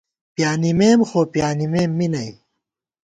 پیانِمېم خو پیانِمېم می نئ